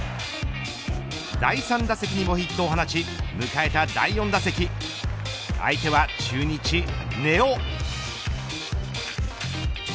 第３打席にもヒットを放ち迎えた第４打席相手は中日、根尾。